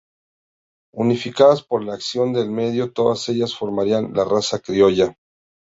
Unificadas por la acción del medio, todas ellas formarían la raza criolla.